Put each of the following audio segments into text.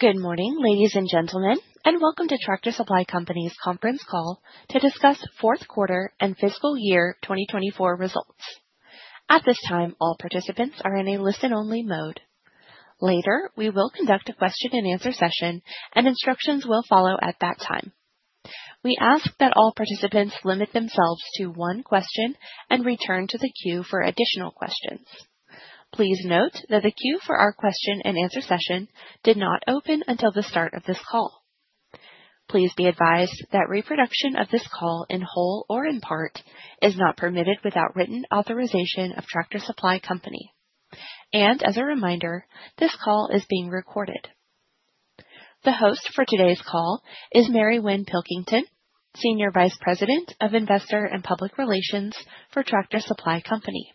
Good morning, ladies and gentlemen, and welcome to Tractor Supply Company's Conference Call to discuss Fourth Quarter and Fiscal Year 2024 results. At this time, all participants are in a listen-only mode. Later, we will conduct a question-and-answer session, and instructions will follow at that time. We ask that all participants limit themselves to one question and return to the queue for additional questions. Please note that the queue for our question-and-answer session did not open until the start of this call. Please be advised that reproduction of this call in whole or in part is not permitted without written authorization of Tractor Supply Company. And as a reminder, this call is being recorded. The host for today's call is Mary Winn Pilkington, Senior Vice President of Investor and Public Relations for Tractor Supply Company.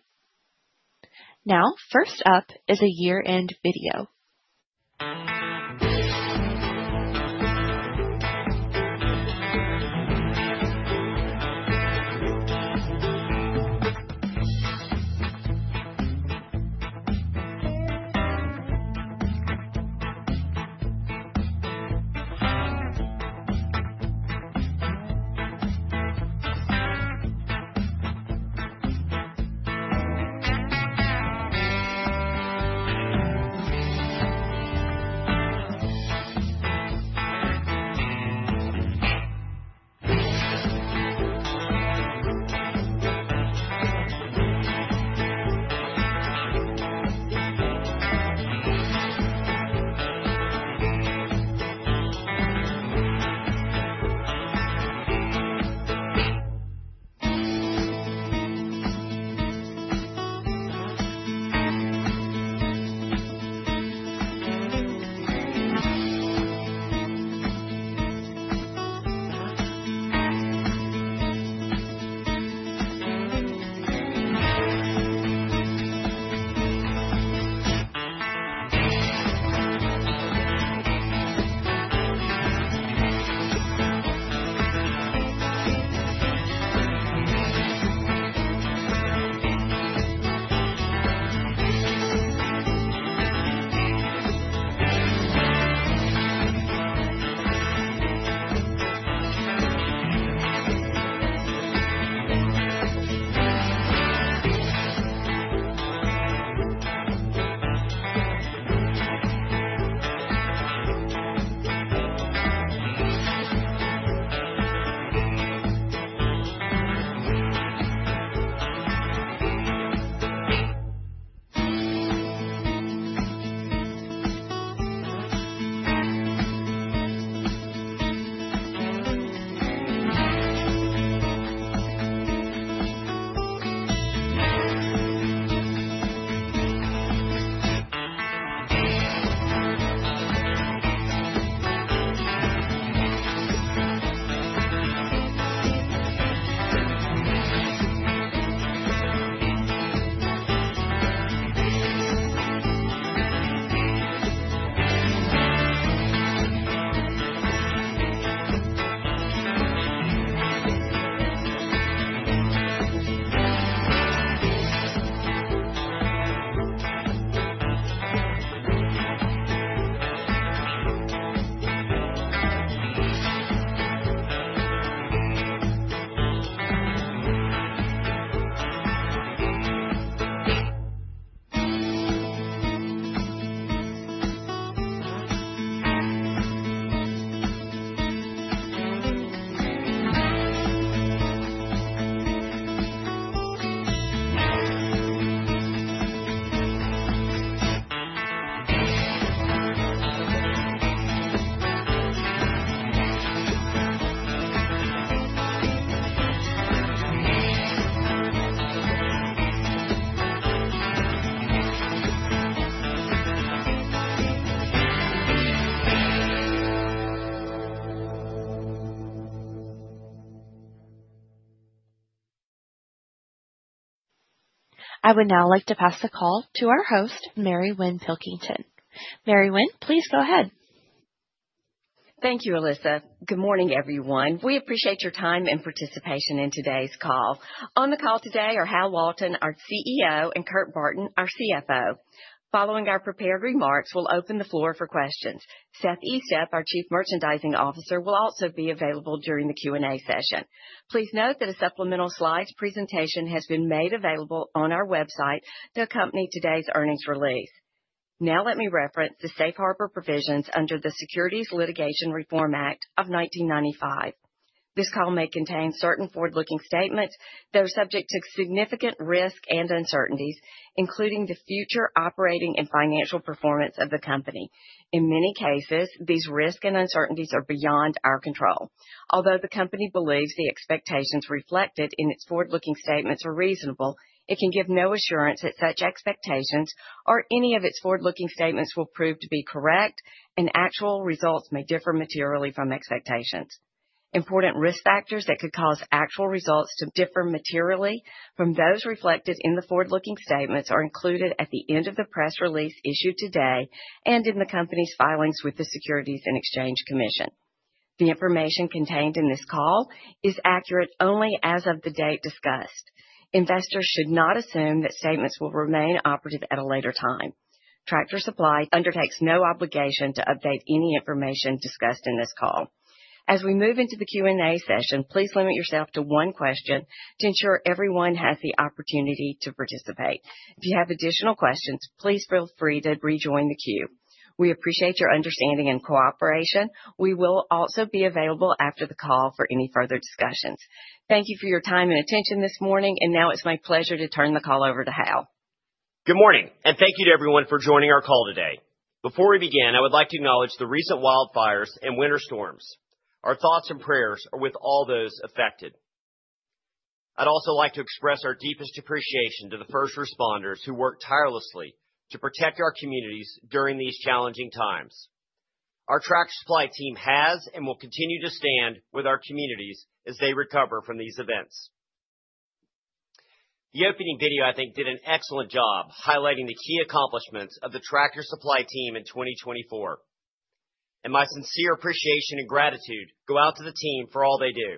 Now, first up is a year-end video. I would now like to pass the call to our host, Mary Winn Pilkington. Mary Winn, please go ahead. Thank you, Alyssa. Good morning, everyone. We appreciate your time and participation in today's call. On the call today are Hal Lawton, our CEO, and Kurt Barton, our CFO. Following our prepared remarks, we'll open the floor for questions. Seth Estep, our Chief Merchandising Officer, will also be available during the Q&A session. Please note that a supplemental slides presentation has been made available on our website to accompany today's earnings release. Now, let me reference the Safe Harbor provisions under the Securities Litigation Reform Act of 1995. This call may contain certain forward-looking statements that are subject to significant risk and uncertainties, including the future operating and financial performance of the company. In many cases, these risks and uncertainties are beyond our control. Although the company believes the expectations reflected in its forward-looking statements are reasonable, it can give no assurance that such expectations or any of its forward-looking statements will prove to be correct, and actual results may differ materially from expectations. Important risk factors that could cause actual results to differ materially from those reflected in the forward-looking statements are included at the end of the press release issued today and in the company's filings with the Securities and Exchange Commission. The information contained in this call is accurate only as of the date discussed. Investors should not assume that statements will remain operative at a later time. Tractor Supply undertakes no obligation to update any information discussed in this call. As we move into the Q&A session, please limit yourself to one question to ensure everyone has the opportunity to participate. If you have additional questions, please feel free to rejoin the queue. We appreciate your understanding and cooperation. We will also be available after the call for any further discussions. Thank you for your time and attention this morning, and now it's my pleasure to turn the call over to Hal. Good morning, and thank you to everyone for joining our call today. Before we begin, I would like to acknowledge the recent wildfires and winter storms. Our thoughts and prayers are with all those affected. I'd also like to express our deepest appreciation to the first responders who worked tirelessly to protect our communities during these challenging times. Our Tractor Supply team has and will continue to stand with our communities as they recover from these events. The opening video, I think, did an excellent job highlighting the key accomplishments of the Tractor Supply team in 2024. And my sincere appreciation and gratitude go out to the team for all they do.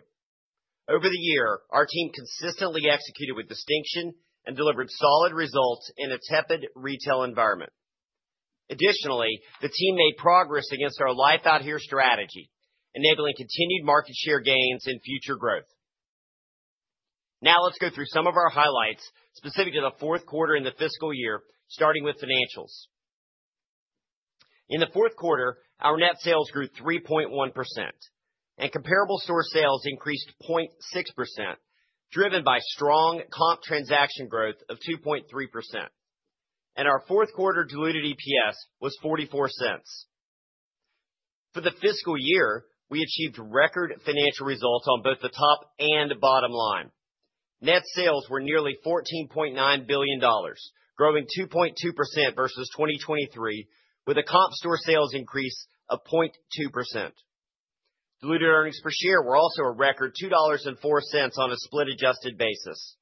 Over the year, our team consistently executed with distinction and delivered solid results in a tepid retail environment. Additionally, the team made progress against our Life Out Here strategy, enabling continued market share gains and future growth. Now, let's go through some of our highlights specific to the fourth quarter in the fiscal year, starting with financials. In the fourth quarter, our net sales grew 3.1%, and comparable store sales increased 0.6%, driven by strong comp transaction growth of 2.3%. And our fourth quarter diluted EPS was $0.44. For the fiscal year, we achieved record financial results on both the top and bottom line. Net sales were nearly $14.9 billion, growing 2.2% versus 2023, with a comp store sales increase of 0.2%. Diluted earnings per share were also a record $2.04 on a split-adjusted basis.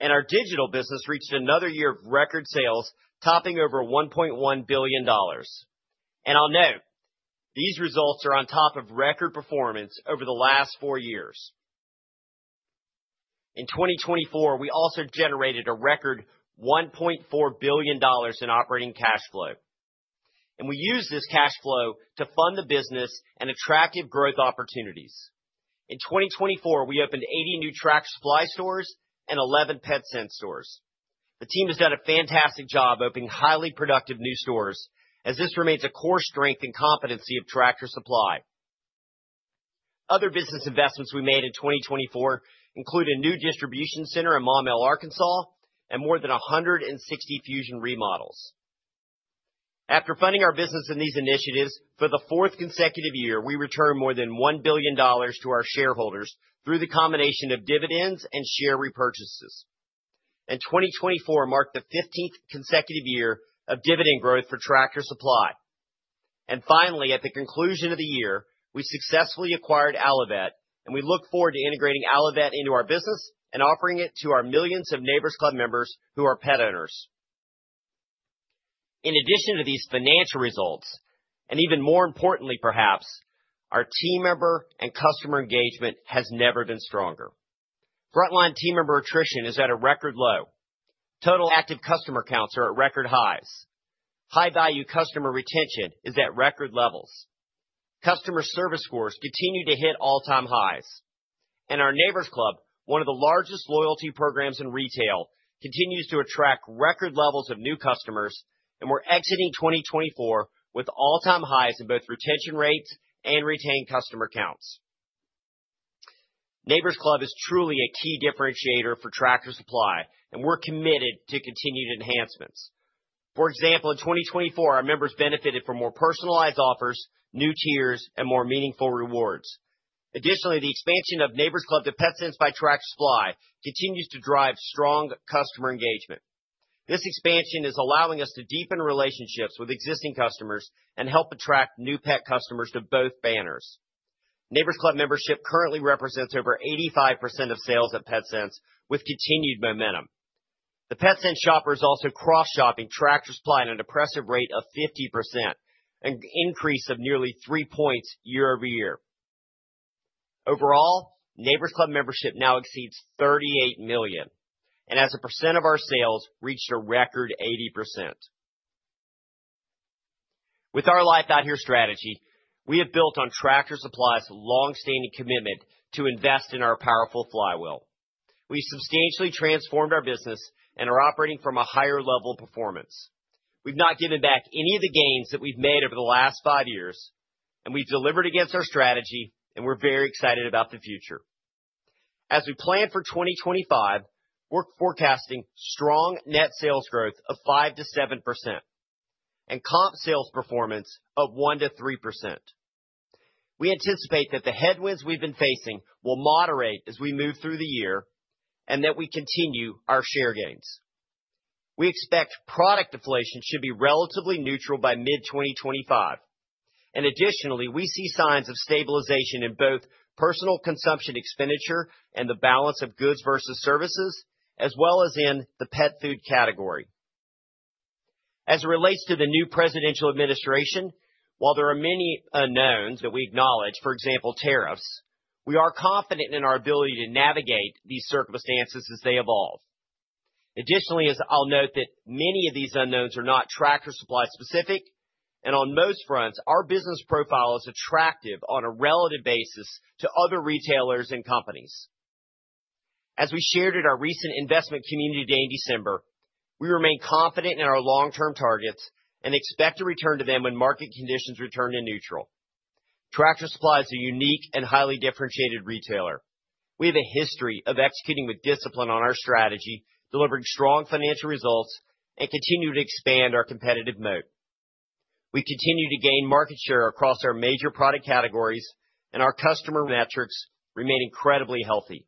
And our digital business reached another year of record sales, topping over $1.1 billion. And I'll note, these results are on top of record performance over the last four years. In 2024, we also generated a record $1.4 billion in operating cash flow. We used this cash flow to fund the business and attractive growth opportunities. In 2024, we opened 80 new Tractor Supply stores and 11 Petsense stores. The team has done a fantastic job opening highly productive new stores, as this remains a core strength and competency of Tractor Supply. Other business investments we made in 2024 include a new distribution center in Maumelle, Arkansas, and more than 160 Fusion remodels. After funding our business in these initiatives, for the fourth consecutive year, we returned more than $1 billion to our shareholders through the combination of dividends and share repurchases. 2024 marked the 15th consecutive year of dividend growth for Tractor Supply. Finally, at the conclusion of the year, we successfully acquired Allivet, and we look forward to integrating Allivet into our business and offering it to our millions of Neighbor's Club members who are pet owners. In addition to these financial results, and even more importantly, perhaps, our team member and customer engagement has never been stronger. Frontline team member attrition is at a record low. Total active customer counts are at record highs. High-value customer retention is at record levels. Customer service scores continue to hit all-time highs. And our Neighbor's Club, one of the largest loyalty programs in retail, continues to attract record levels of new customers, and we're exiting 2024 with all-time highs in both retention rates and retained customer counts. Neighbor's Club is truly a key differentiator for Tractor Supply, and we're committed to continued enhancements. For example, in 2024, our members benefited from more personalized offers, new tiers, and more meaningful rewards. Additionally, the expansion of Neighbor's Club to Petsense by Tractor Supply continues to drive strong customer engagement. This expansion is allowing us to deepen relationships with existing customers and help attract new pet customers to both banners. Neighbor's Club membership currently represents over 85% of sales at Petsense, with continued momentum. The Petsense shopper is also cross-shopping Tractor Supply at an impressive rate of 50%, an increase of nearly three points year-over-year. Overall, Neighbor's Club membership now exceeds 38 million, and that's 80% of our sales, a record 80%. With our Life Out Here strategy, we have built on Tractor Supply's long-standing commitment to invest in our powerful flywheel. We've substantially transformed our business and are operating from a higher level of performance. We've not given back any of the gains that we've made over the last five years, and we've delivered against our strategy, and we're very excited about the future. As we plan for 2025, we're forecasting strong net sales growth of 5%-7% and comp sales performance of 1%-3%. We anticipate that the headwinds we've been facing will moderate as we move through the year and that we continue our share gains. We expect product deflation should be relatively neutral by mid-2025. And additionally, we see signs of stabilization in both personal consumption expenditure and the balance of goods versus services, as well as in the pet food category. As it relates to the new presidential administration, while there are many unknowns that we acknowledge, for example, tariffs, we are confident in our ability to navigate these circumstances as they evolve. Additionally, I'll note that many of these unknowns are not Tractor Supply specific, and on most fronts, our business profile is attractive on a relative basis to other retailers and companies. As we shared at our recent Investment Community Day in December, we remain confident in our long-term targets and expect to return to them when market conditions return to neutral. Tractor Supply is a unique and highly differentiated retailer. We have a history of executing with discipline on our strategy, delivering strong financial results, and continuing to expand our competitive moat. We continue to gain market share across our major product categories, and our customer metrics remain incredibly healthy.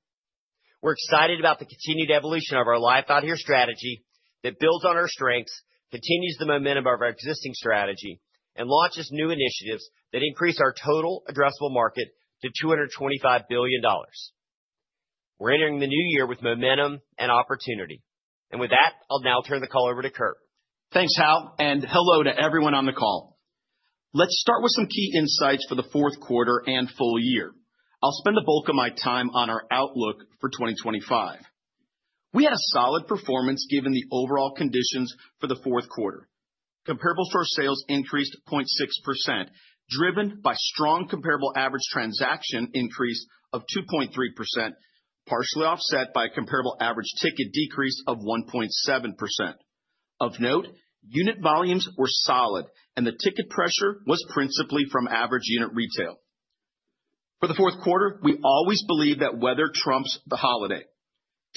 We're excited about the continued evolution of our Life Out Here strategy that builds on our strengths, continues the momentum of our existing strategy, and launches new initiatives that increase our total addressable market to $225 billion. We're entering the new year with momentum and opportunity. And with that, I'll now turn the call over to Kurt. Thanks, Hal, and hello to everyone on the call. Let's start with some key insights for the fourth quarter and full year. I'll spend the bulk of my time on our outlook for 2025. We had a solid performance given the overall conditions for the fourth quarter. Comparable store sales increased 0.6%, driven by strong comparable average transaction increase of 2.3%, partially offset by a comparable average ticket decrease of 1.7%. Of note, unit volumes were solid, and the ticket pressure was principally from average unit retail. For the fourth quarter, we always believe that weather trumps the holiday.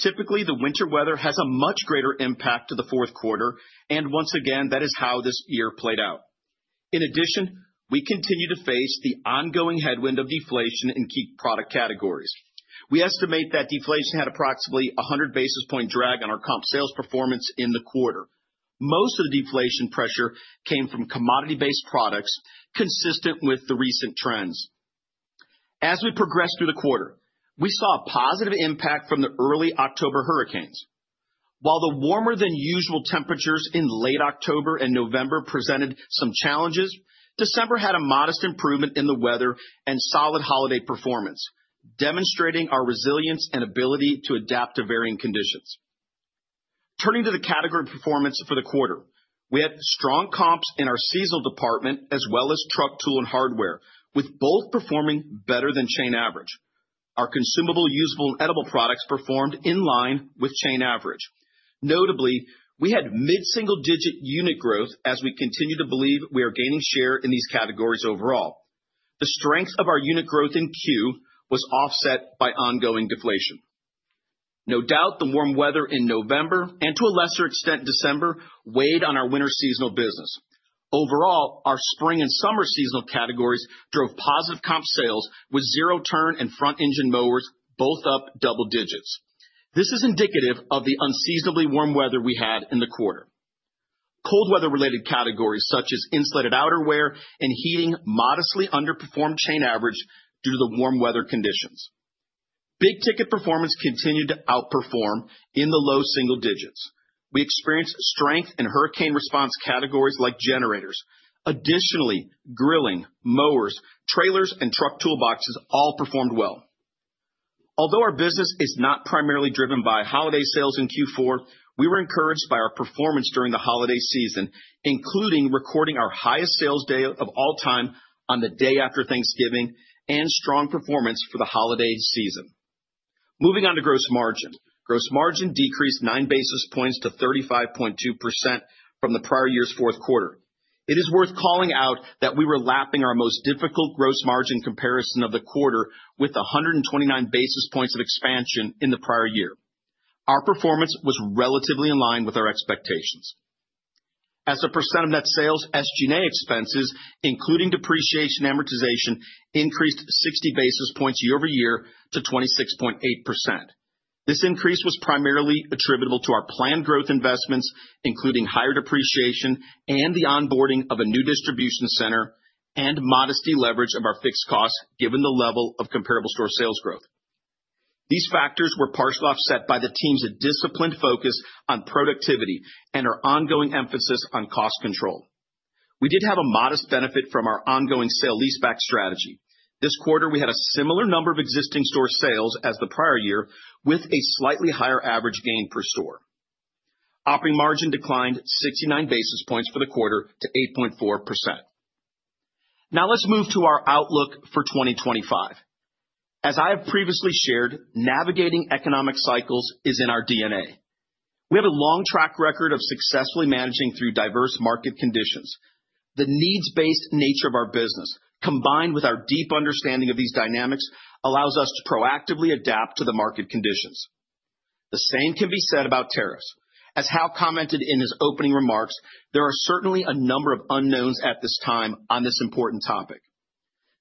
Typically, the winter weather has a much greater impact to the fourth quarter, and once again, that is how this year played out. In addition, we continue to face the ongoing headwind of deflation in key product categories. We estimate that deflation had approximately 100 basis point drag on our comp sales performance in the quarter. Most of the deflation pressure came from commodity-based products, consistent with the recent trends. As we progressed through the quarter, we saw a positive impact from the early October hurricanes. While the warmer-than-usual temperatures in late October and November presented some challenges, December had a modest improvement in the weather and solid holiday performance, demonstrating our resilience and ability to adapt to varying conditions. Turning to the category performance for the quarter, we had strong comps in our seasonal department as well as truck, tool, and hardware, with both performing better than chain average. Our Consumable, Usable, and Edible products performed in line with chain average. Notably, we had mid-single-digit unit growth as we continue to believe we are gaining share in these categories overall. The strength of our unit growth in C.U.E. was offset by ongoing deflation. No doubt, the warm weather in November and to a lesser extent December weighed on our winter seasonal business. Overall, our spring and summer seasonal categories drove positive comp sales with zero-turn and front-engine mowers both up double digits. This is indicative of the unseasonably warm weather we had in the quarter. Cold weather-related categories such as insulated outerwear and heating modestly underperformed chain average due to the warm weather conditions. Big-ticket performance continued to outperform in the low single digits. We experienced strength in hurricane response categories like generators. Additionally, grilling, mowers, trailers, and truck toolboxes all performed well. Although our business is not primarily driven by holiday sales in Q4, we were encouraged by our performance during the holiday season, including recording our highest sales day of all time on the day after Thanksgiving and strong performance for the holiday season. Moving on to gross margin. Gross margin decreased 9 basis points to 35.2% from the prior year's fourth quarter. It is worth calling out that we were lapping our most difficult gross margin comparison of the quarter with 129 basis points of expansion in the prior year. Our performance was relatively in line with our expectations. As a percent of net sales, SG&A expenses, including depreciation amortization, increased 60 basis points year-over-year to 26.8%. This increase was primarily attributable to our planned growth investments, including higher depreciation and the onboarding of a new distribution center and modest leverage of our fixed costs given the level of comparable store sales growth. These factors were partially offset by the team's disciplined focus on productivity and our ongoing emphasis on cost control. We did have a modest benefit from our ongoing sale-leaseback strategy. This quarter, we had a similar number of existing store sales as the prior year, with a slightly higher average gain per store. Operating margin declined 69 basis points for the quarter to 8.4%. Now, let's move to our outlook for 2025. As I have previously shared, navigating economic cycles is in our DNA. We have a long track record of successfully managing through diverse market conditions. The needs-based nature of our business, combined with our deep understanding of these dynamics, allows us to proactively adapt to the market conditions. The same can be said about tariffs. As Hal commented in his opening remarks, there are certainly a number of unknowns at this time on this important topic.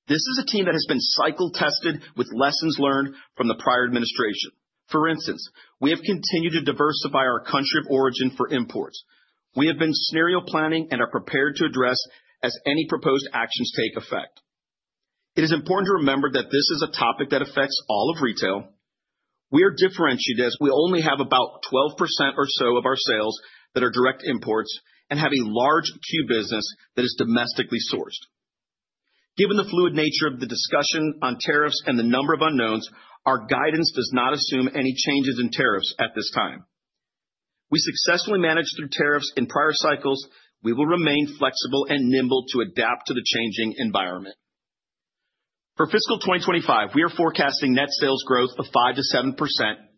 This is a team that has been cycle-tested with lessons learned from the prior administration. For instance, we have continued to diversify our country of origin for imports. We have been scenario planning and are prepared to address as any proposed actions take effect. It is important to remember that this is a topic that affects all of retail. We are differentiated as we only have about 12% or so of our sales that are direct imports and have a large C.U.E. business that is domestically sourced. Given the fluid nature of the discussion on tariffs and the number of unknowns, our guidance does not assume any changes in tariffs at this time. We successfully managed through tariffs in prior cycles. We will remain flexible and nimble to adapt to the changing environment. For fiscal 2025, we are forecasting net sales growth of 5%-7%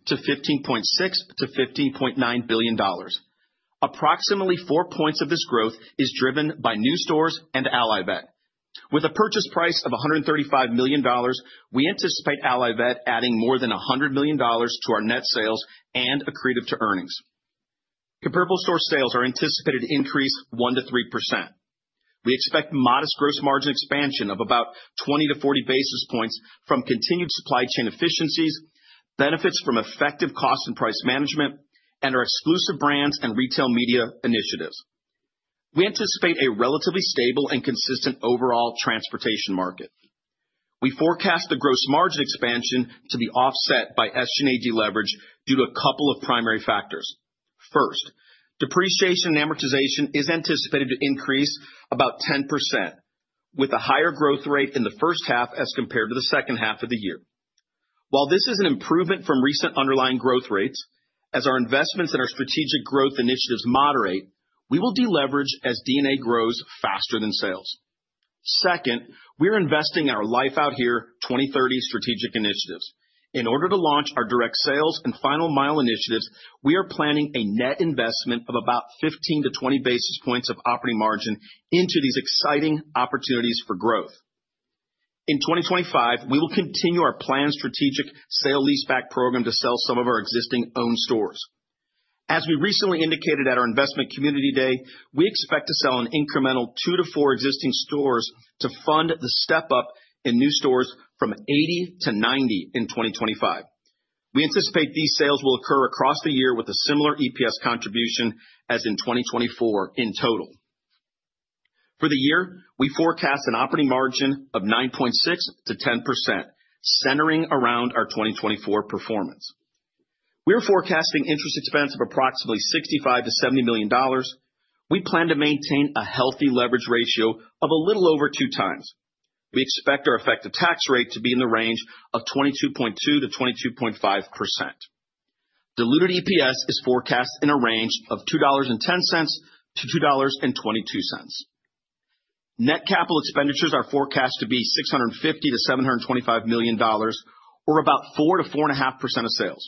to $15.6-$15.9 billion. Approximately four points of this growth is driven by new stores and Allivet. With a purchase price of $135 million, we anticipate Allivet adding more than $100 million to our net sales and accretive to earnings. Comparable store sales are anticipated to increase 1%-3%. We expect modest gross margin expansion of about 20-40 basis points from continued supply chain efficiencies, benefits from effective cost and price management, and our Exclusive Brands and retail media initiatives. We anticipate a relatively stable and consistent overall transportation market. We forecast the gross margin expansion to be offset by SG&A leverage due to a couple of primary factors. First, depreciation and amortization is anticipated to increase about 10%, with a higher growth rate in the first half as compared to the second half of the year. While this is an improvement from recent underlying growth rates, as our investments and our strategic growth initiatives moderate, we will deleverage as D&A grows faster than sales. Second, we are investing in our Life Out Here 2030 strategic initiatives. In order to launch our direct sales and final mile initiatives, we are planning a net investment of about 15-20 basis points of operating margin into these exciting opportunities for growth. In 2025, we will continue our planned strategic sale-leaseback program to sell some of our existing owned stores. As we recently indicated at our Investment Community Day, we expect to sell an incremental two to four existing stores to fund the step-up in new stores from 80 to 90 in 2025. We anticipate these sales will occur across the year with a similar EPS contribution as in 2024 in total. For the year, we forecast an operating margin of 9.6%-10%, centering around our 2024 performance. We are forecasting interest expense of approximately $65-$70 million. We plan to maintain a healthy leverage ratio of a little over two times. We expect our effective tax rate to be in the range of 22.2%-22.5%. Diluted EPS is forecast in a range of $2.10-$2.22. Net capital expenditures are forecast to be $650-$725 million, or about 4%-4.5% of sales.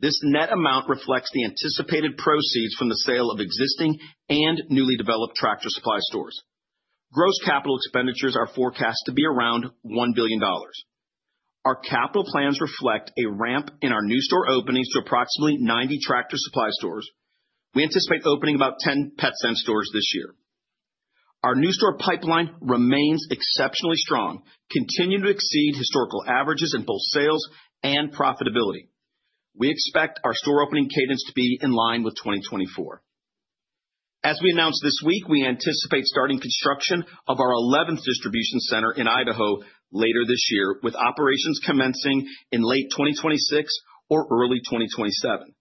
This net amount reflects the anticipated proceeds from the sale of existing and newly developed Tractor Supply stores. Gross capital expenditures are forecast to be around $1 billion. Our capital plans reflect a ramp in our new store openings to approximately 90 Tractor Supply stores. We anticipate opening about 10 Petsense stores this year. Our new store pipeline remains exceptionally strong, continuing to exceed historical averages in both sales and profitability. We expect our store opening cadence to be in line with 2024. As we announced this week, we anticipate starting construction of our 11th distribution center in Idaho later this year, with operations commencing in late 2026 or early 2027.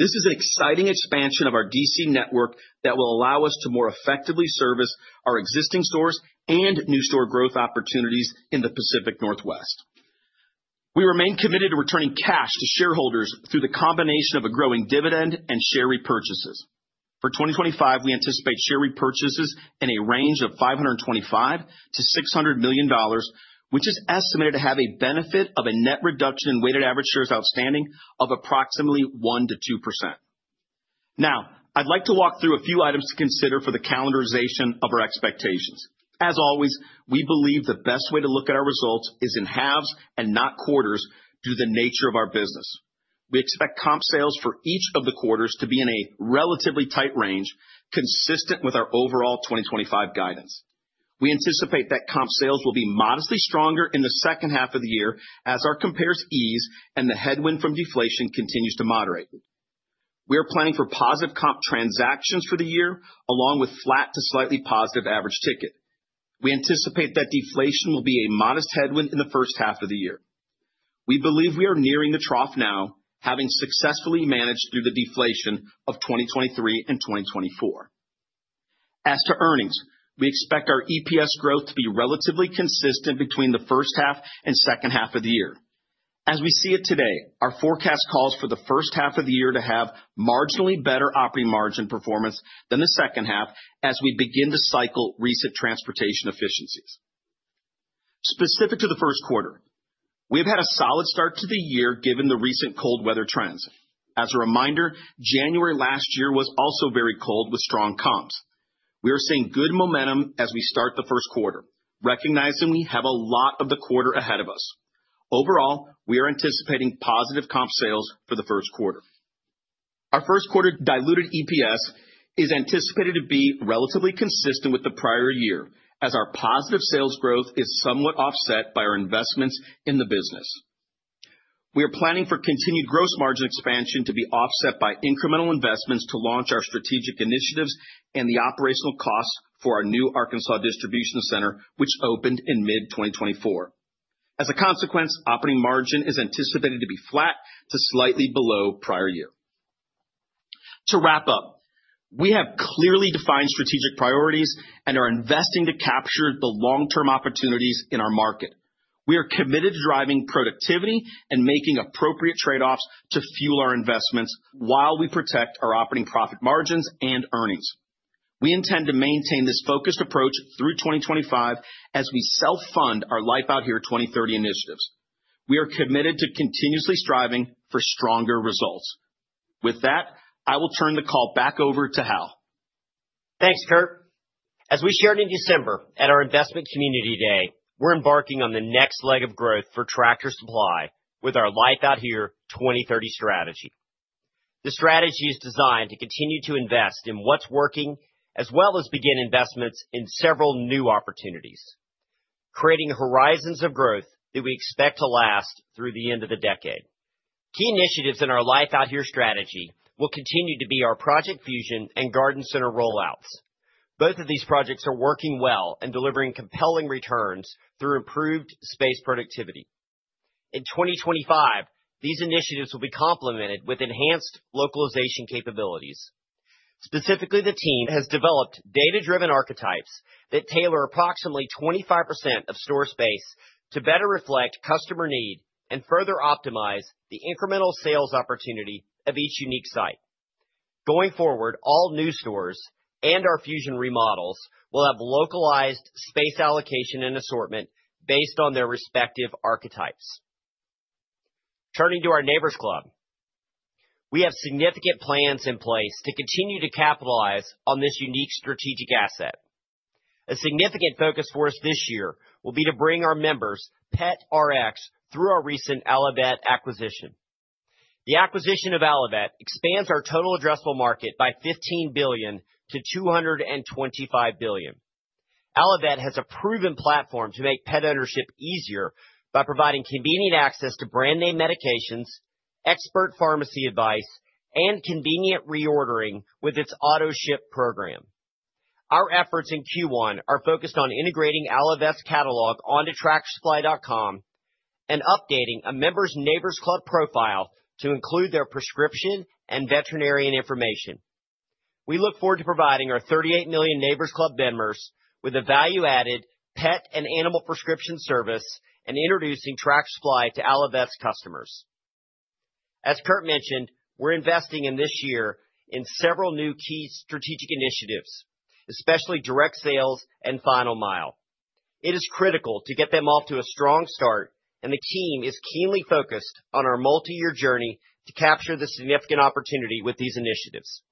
This is an exciting expansion of our DC network that will allow us to more effectively service our existing stores and new store growth opportunities in the Pacific Northwest. We remain committed to returning cash to shareholders through the combination of a growing dividend and share repurchases. For 2025, we anticipate share repurchases in a range of $525-$600 million, which is estimated to have a benefit of a net reduction in weighted average shares outstanding of approximately 1%-2%. Now, I'd like to walk through a few items to consider for the calendarization of our expectations. As always, we believe the best way to look at our results is in halves and not quarters due to the nature of our business. We expect comp sales for each of the quarters to be in a relatively tight range, consistent with our overall 2025 guidance. We anticipate that comp sales will be modestly stronger in the second half of the year as our compares ease and the headwind from deflation continues to moderate. We are planning for positive comp transactions for the year, along with flat to slightly positive average ticket. We anticipate that deflation will be a modest headwind in the first half of the year. We believe we are nearing the trough now, having successfully managed through the deflation of 2023 and 2024. As to earnings, we expect our EPS growth to be relatively consistent between the first half and second half of the year. As we see it today, our forecast calls for the first half of the year to have marginally better operating margin performance than the second half as we begin to cycle recent transportation efficiencies. Specific to the first quarter, we have had a solid start to the year given the recent cold weather trends. As a reminder, January last year was also very cold with strong comps. We are seeing good momentum as we start the first quarter, recognizing we have a lot of the quarter ahead of us. Overall, we are anticipating positive comp sales for the first quarter. Our first quarter diluted EPS is anticipated to be relatively consistent with the prior year as our positive sales growth is somewhat offset by our investments in the business. We are planning for continued gross margin expansion to be offset by incremental investments to launch our strategic initiatives and the operational costs for our new Arkansas distribution center, which opened in mid-2024. As a consequence, operating margin is anticipated to be flat to slightly below prior year. To wrap up, we have clearly defined strategic priorities and are investing to capture the long-term opportunities in our market. We are committed to driving productivity and making appropriate trade-offs to fuel our investments while we protect our operating profit margins and earnings. We intend to maintain this focused approach through 2025 as we self-fund our Life Out Here 2030 initiatives. We are committed to continuously striving for stronger results. With that, I will turn the call back over to Hal. Thanks, Kurt. As we shared in December at our Investment Community Day, we're embarking on the next leg of growth for Tractor Supply with our Life Out Here 2030 strategy. The strategy is designed to continue to invest in what's working as well as begin investments in several new opportunities, creating horizons of growth that we expect to last through the end of the decade. Key initiatives in our Life Out Here strategy will continue to be our Project Fusion and garden center rollouts. Both of these projects are working well and delivering compelling returns through improved space productivity. In 2025, these initiatives will be complemented with enhanced localization capabilities. Specifically, the team has developed data-driven archetypes that tailor approximately 25% of store space to better reflect customer need and further optimize the incremental sales opportunity of each unique site. Going forward, all new stores and our Fusion remodels will have localized space allocation and assortment based on their respective archetypes. Turning to our Neighbor's Club, we have significant plans in place to continue to capitalize on this unique strategic asset. A significant focus for us this year will be to bring our members PetRx through our recent Allivet acquisition. The acquisition of Allivet expands our total addressable market by $15 billion to $225 billion. Allivet has a proven platform to make pet ownership easier by providing convenient access to brand-name medications, expert pharmacy advice, and convenient reordering with its auto-ship program. Our efforts in Q1 are focused on integrating Allivet's catalog onto TractorSupply.com and updating a member's Neighbor's Club profile to include their prescription and veterinarian information. We look forward to providing our 38 million Neighbor's Club members with a value-added pet and animal prescription service and introducing Tractor Supply to Allivet's customers. As Kurt mentioned, we're investing in this year in several new key strategic initiatives, especially direct sales and final mile. It is critical to get them off to a strong start, and the team is keenly focused on our multi-year journey to capture the significant opportunity with these initiatives.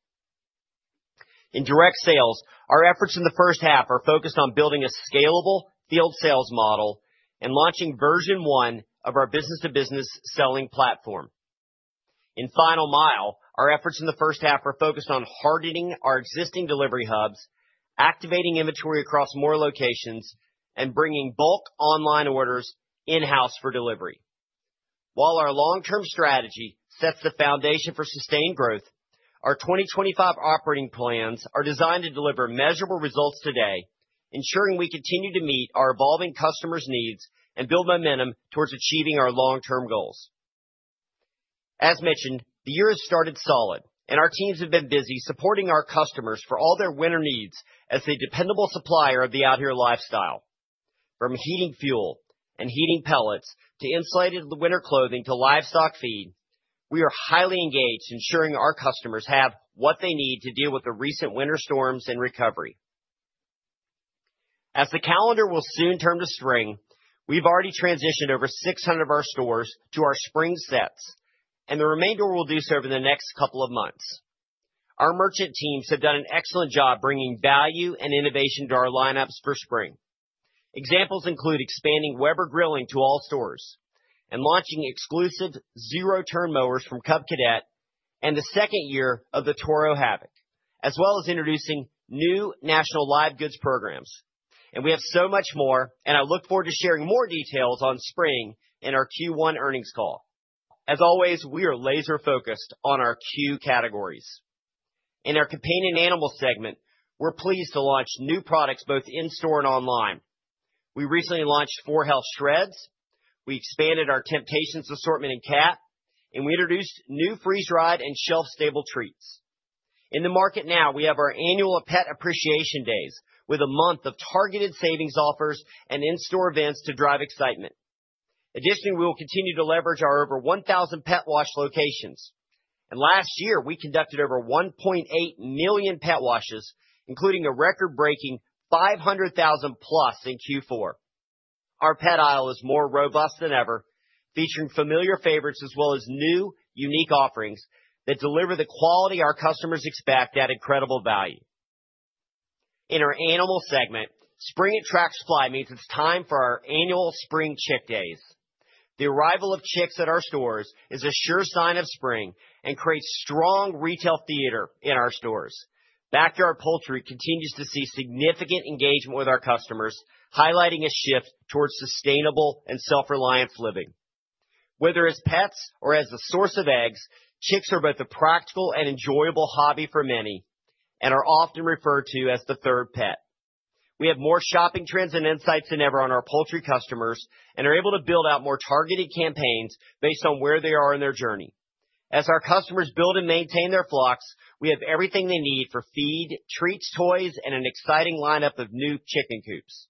In direct sales, our efforts in the first half are focused on building a scalable field sales model and launching version one of our business-to-business selling platform. In final mile, our efforts in the first half are focused on hardening our existing delivery hubs, activating inventory across more locations, and bringing bulk online orders in-house for delivery. While our long-term strategy sets the foundation for sustained growth, our 2025 operating plans are designed to deliver measurable results today, ensuring we continue to meet our evolving customers' needs and build momentum towards achieving our long-term goals. As mentioned, the year has started solid, and our teams have been busy supporting our customers for all their winter needs as a dependable supplier of the Life Out Here lifestyle. From heating fuel and heating pellets to insulated winter clothing to livestock feed, we are highly engaged, ensuring our customers have what they need to deal with the recent winter storms and recovery. As the calendar will soon turn to spring, we've already transitioned over 600 of our stores to our spring sets, and the remainder will do so over the next couple of months. Our merchant teams have done an excellent job bringing value and innovation to our lineups for spring. Examples include expanding Weber grilling to all stores and launching exclusive zero-turn mowers from Cub Cadet and the second year of the Toro Havoc, as well as introducing new national live goods programs, and we have so much more, and I look forward to sharing more details on spring in our Q1 earnings call. As always, we are laser-focused on our C.U.E. categories. In our companion animal segment, we're pleased to launch new products both in store and online. We recently launched 4health Shreds. We expanded our Temptations assortment in cat, and we introduced new freeze-dried and shelf-stable treats. In the market now, we have our annual Pet Appreciation Days with a month of targeted savings offers and in-store events to drive excitement. Additionally, we will continue to leverage our over 1,000 pet wash locations. And last year, we conducted over 1.8 million pet washes, including a record-breaking 500,000 plus in Q4. Our pet aisle is more robust than ever, featuring familiar favorites as well as new unique offerings that deliver the quality our customers expect at incredible value. In our animal segment, spring at Tractor Supply means it's time for our annual spring Chick Days. The arrival of chicks at our stores is a sure sign of spring and creates strong retail theater in our stores. Backyard poultry continues to see significant engagement with our customers, highlighting a shift towards sustainable and self-reliance living. Whether as pets or as a source of eggs, chicks are both a practical and enjoyable hobby for many and are often referred to as the third pet. We have more shopping trends and insights than ever on our poultry customers and are able to build out more targeted campaigns based on where they are in their journey. As our customers build and maintain their flocks, we have everything they need for feed, treats, toys, and an exciting lineup of new chicken coops.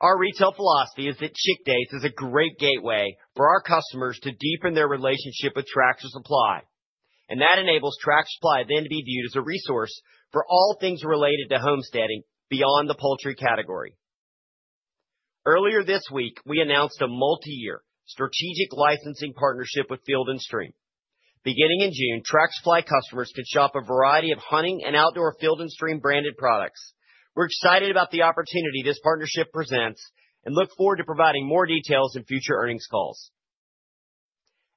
Our retail philosophy is that Chick Days is a great gateway for our customers to deepen their relationship with Tractor Supply. That enables Tractor Supply then to be viewed as a resource for all things related to homesteading beyond the poultry category. Earlier this week, we announced a multi-year strategic licensing partnership with Field & Stream. Beginning in June, Tractor Supply customers can shop a variety of hunting and outdoor Field & Stream branded products. We're excited about the opportunity this partnership presents and look forward to providing more details in future earnings calls.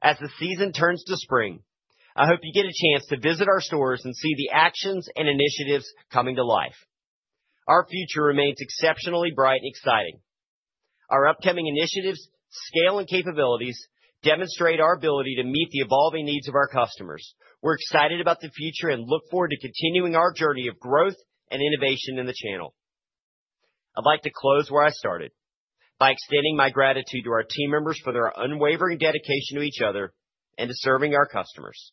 As the season turns to spring, I hope you get a chance to visit our stores and see the actions and initiatives coming to life. Our future remains exceptionally bright and exciting. Our upcoming initiatives, scale, and capabilities demonstrate our ability to meet the evolving needs of our customers. We're excited about the future and look forward to continuing our journey of growth and innovation in the channel. I'd like to close where I started by extending my gratitude to our team members for their unwavering dedication to each other and to serving our customers.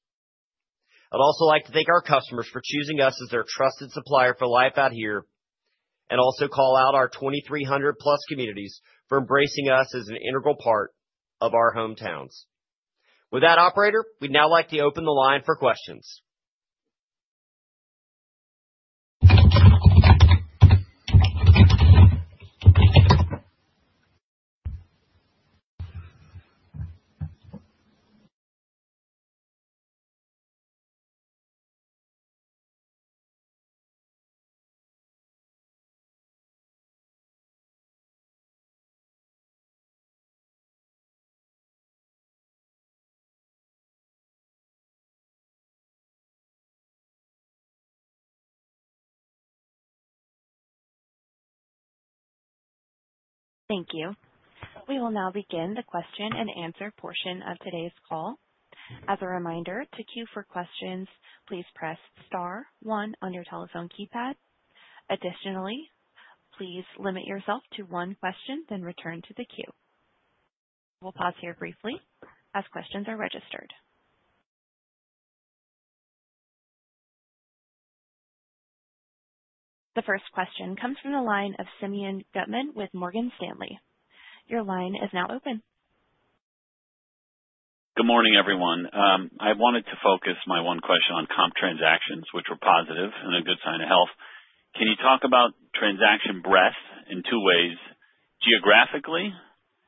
I'd also like to thank our customers for choosing us as their trusted supplier for Life Out Here and also call out our 2,300-plus communities for embracing us as an integral part of our hometowns. With that, Operator, we'd now like to open the line for questions. Thank you. We will now begin the question-and-answer portion of today's call. As a reminder, to queue for questions, please press star one on your telephone keypad. Additionally, please limit yourself to one question, then return to the queue. We'll pause here briefly as questions are registered. The first question comes from the line of Simeon Gutman with Morgan Stanley. Your line is now open. Good morning, everyone. I wanted to focus my one question on comp transactions, which were positive and a good sign of health. Can you talk about transaction breadth in two ways: geographically,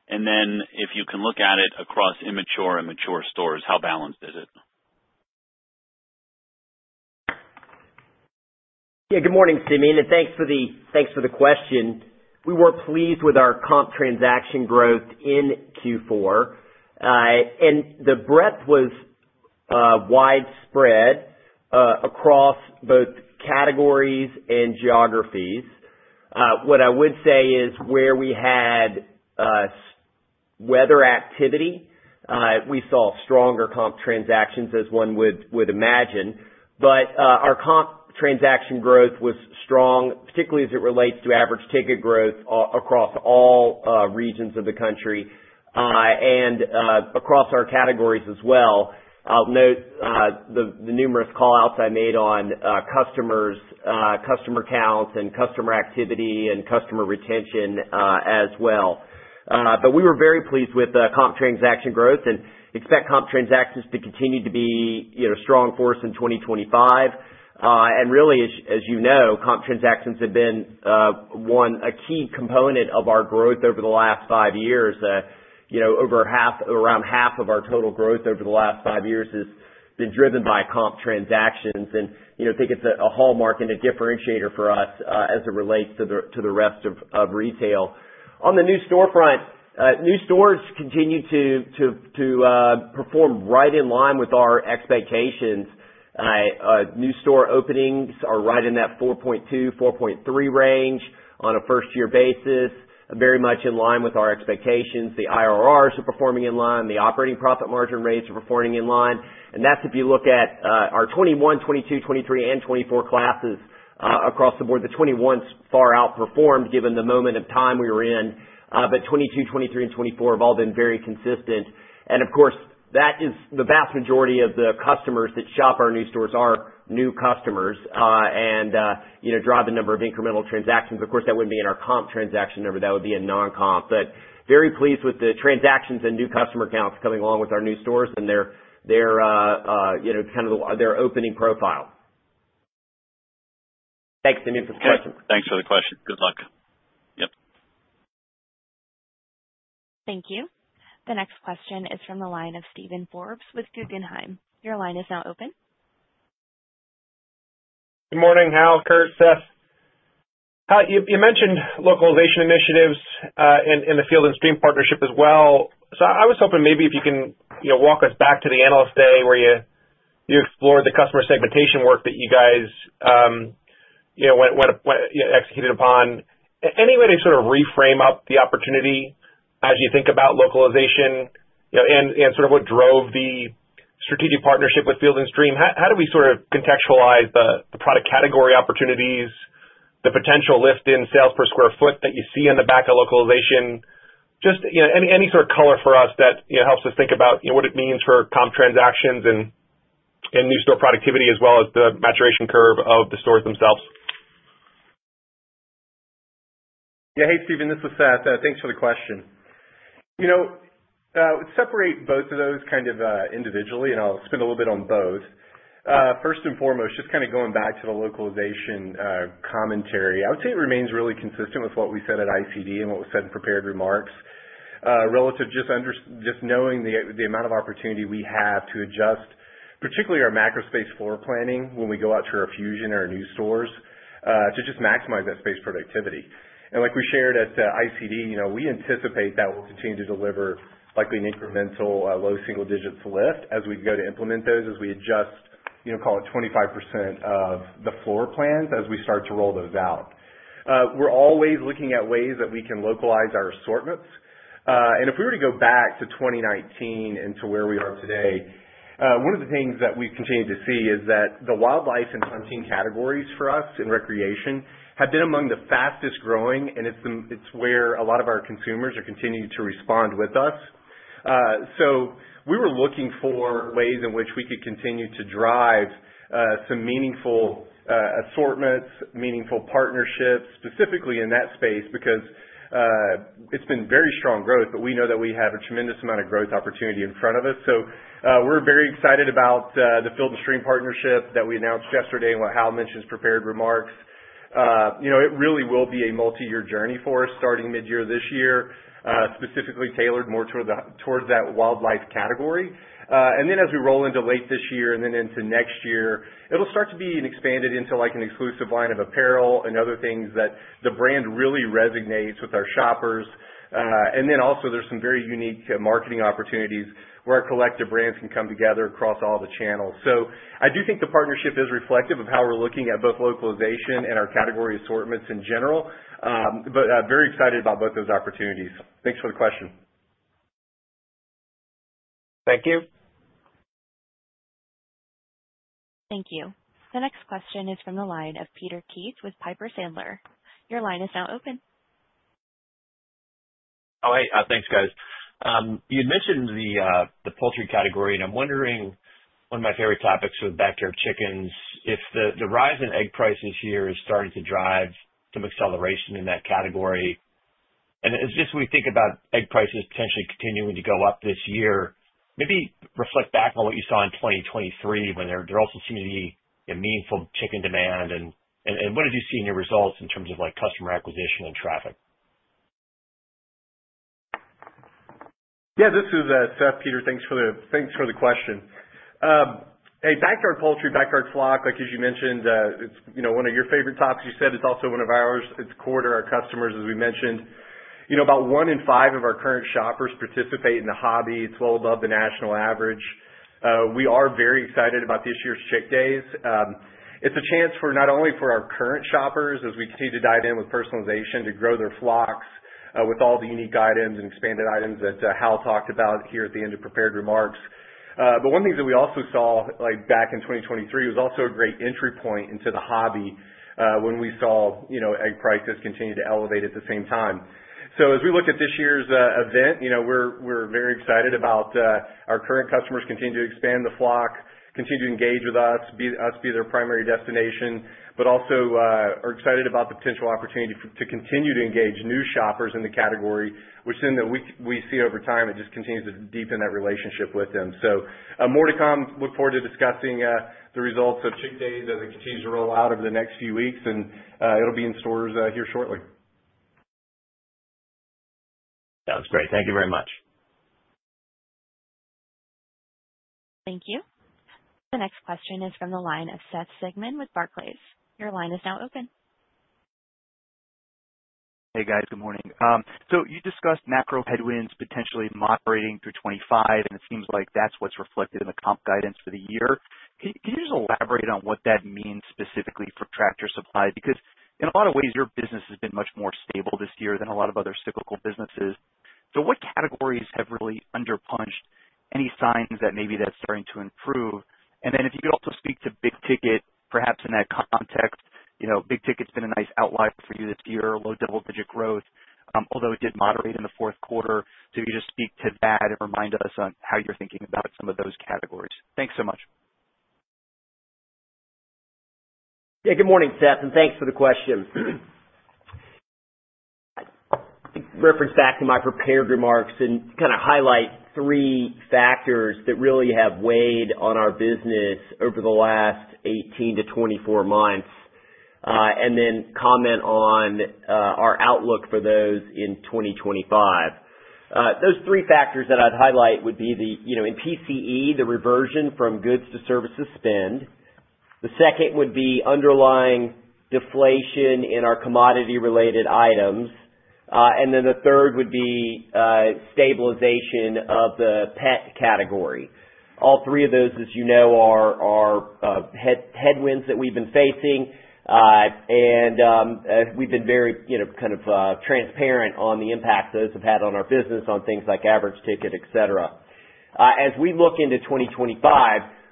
and then if you can look at it across immature and mature stores, how balanced is it? Yeah, good morning, Simeon, and thanks for the question. We were pleased with our comp transaction growth in Q4. And the breadth was widespread across both categories and geographies. What I would say is where we had weather activity, we saw stronger comp transactions as one would imagine. But our comp transaction growth was strong, particularly as it relates to average ticket growth across all regions of the country and across our categories as well. I'll note the numerous callouts I made on customers, customer counts, and customer activity and customer retention as well. But we were very pleased with the comp transaction growth and expect comp transactions to continue to be a strong force in 2025. And really, as you know, comp transactions have been one key component of our growth over the last five years. Over half, around half of our total growth over the last five years has been driven by comp transactions. And I think it's a hallmark and a differentiator for us as it relates to the rest of retail. On the new storefront, new stores continue to perform right in line with our expectations. New store openings are right in that 4.2, 4.3 range on a first-year basis, very much in line with our expectations. The IRRs are performing in line. The operating profit margin rates are performing in line. And that's if you look at our 2021, 2022, 2023, and 2024 classes across the board. The 2021's far outperformed given the moment of time we were in, but 2022, 2023, and 2024 have all been very consistent. Of course, that is the vast majority of the customers that shop our new stores are new customers and drive a number of incremental transactions. Of course, that wouldn't be in our comp transaction number. That would be a non-comp. But very pleased with the transactions and new customer counts coming along with our new stores and their kind of opening profile. Thanks, Simeon, for the question. Thanks for the question. Good luck. Yep. Thank you. The next question is from the line of Steven Forbes with Guggenheim. Your line is now open. Good morning. Hi, Kurt, Seth? You mentioned localization initiatives in the Field & Stream partnership as well. So I was hoping maybe if you can walk us back to the Analyst Day where you explored the customer segmentation work that you guys executed upon. Any way to sort of reframe up the opportunity as you think about localization and sort of what drove the strategic partnership with Field & Stream? How do we sort of contextualize the product category opportunities, the potential lift in sales per square foot that you see in the back of localization? Just any sort of color for us that helps us think about what it means for comp transactions and new store productivity as well as the maturation curve of the stores themselves. Yeah, hey, Steven, this is Seth. Thanks for the question. Separate both of those kind of individually, and I'll spend a little bit on both. First and foremost, just kind of going back to the localization commentary, I would say it remains really consistent with what we said at ICD and what was said in prepared remarks relative to just knowing the amount of opportunity we have to adjust, particularly our macrospace floor planning when we go out to our Fusion or our new stores, to just maximize that space productivity. And like we shared at ICD, we anticipate that we'll continue to deliver likely an incremental low single-digits lift as we go to implement those, as we adjust, call it 25% of the floor plans as we start to roll those out. We're always looking at ways that we can localize our assortments. And if we were to go back to 2019 and to where we are today, one of the things that we've continued to see is that the wildlife and hunting categories for us in recreation have been among the fastest growing, and it's where a lot of our consumers are continuing to respond with us. So we were looking for ways in which we could continue to drive some meaningful assortments, meaningful partnerships specifically in that space because it's been very strong growth, but we know that we have a tremendous amount of growth opportunity in front of us. So we're very excited about the Field & Stream partnership that we announced yesterday and what Hal mentioned as prepared remarks. It really will be a multi-year journey for us starting mid-year this year, specifically tailored more towards that wildlife category. And then as we roll into late this year and then into next year, it'll start to be expanded into an exclusive line of apparel and other things that the brand really resonates with our shoppers. And then also there's some very unique marketing opportunities where our collective brands can come together across all the channels. So I do think the partnership is reflective of how we're looking at both localization and our category assortments in general, but very excited about both those opportunities. Thanks for the question. Thank you. Thank you. The next question is from the line of Peter Keith with Piper Sandler. Your line is now open. Oh, hey. Thanks, guys. You had mentioned the poultry category, and I'm wondering, one of my favorite topics with backyard chickens, if the rise in egg prices here is starting to drive some acceleration in that category, and it's just when we think about egg prices potentially continuing to go up this year, maybe reflect back on what you saw in 2023 when there also seemed to be a meaningful chicken demand, and what did you see in your results in terms of customer acquisition and traffic? Yeah, this is Seth, Peter. Thanks for the question. A backyard poultry, backyard flock, like as you mentioned, it's one of your favorite topics. You said it's also one of ours. It's core to our customers, as we mentioned. About one in five of our current shoppers participate in the hobby. It's well above the national average. We are very excited about this year's Chick Days. It's a chance for not only our current shoppers as we continue to dive in with personalization to grow their flocks with all the unique items and expanded items that Hal talked about here at the end of prepared remarks. But one thing that we also saw back in 2023 was also a great entry point into the hobby when we saw egg prices continue to elevate at the same time. So as we look at this year's event, we're very excited about our current customers continuing to expand the flock, continue to engage with us, be their primary destination, but also are excited about the potential opportunity to continue to engage new shoppers in the category, which then we see over time it just continues to deepen that relationship with them. So more to come. Look forward to discussing the results of Chick Days as it continues to roll out over the next few weeks, and it'll be in stores here shortly. Sounds great. Thank you very much. Thank you. The next question is from the line of Seth Sigman with Barclays. Your line is now open. Hey, guys. Good morning. So you discussed macro headwinds potentially moderating through 2025, and it seems like that's what's reflected in the comp guidance for the year. Can you just elaborate on what that means specifically for Tractor Supply? Because in a lot of ways, your business has been much more stable this year than a lot of other cyclical businesses. So what categories have really underperformed? Any signs that maybe that's starting to improve? And then if you could also speak to big ticket, perhaps in that context. Big ticket's been a nice outlier for you this year, low double-digit growth, although it did moderate in the fourth quarter. So if you could just speak to that and remind us on how you're thinking about some of those categories. Thanks so much. Yeah, good morning, Seth, and thanks for the question. Reference back to my prepared remarks and kind of highlight three factors that really have weighed on our business over the last 18-24 months, and then comment on our outlook for those in 2025. Those three factors that I'd highlight would be in PCE, the reversion from goods to services spend. The second would be underlying deflation in our commodity-related items. And then the third would be stabilization of the pet category. All three of those, as you know, are headwinds that we've been facing, and we've been very kind of transparent on the impact those have had on our business on things like average ticket, etc. As we look into 2025,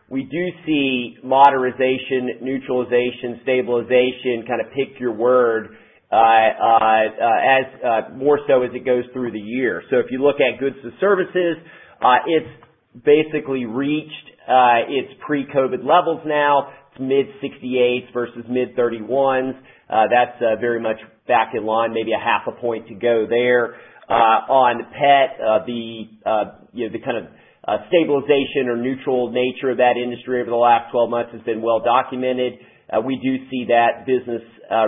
we do see moderation, neutralization, stabilization, kind of pick your word, more so as it goes through the year. So if you look at goods to services, it's basically reached its pre-COVID levels now. It's mid-68s versus mid-31s. That's very much back in line, maybe a half a point to go there. On pet, the kind of stabilization or neutral nature of that industry over the last 12 months has been well documented. We do see that business